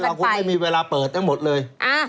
แต่เราก็ไม่มีเวลาเปิดให้หมดเลย